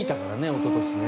おととしね。